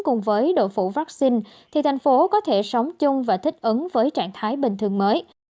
cùng với đội phủ vaccine thì thành phố có thể sống chung và thích ứng với trạng thái bình thường mới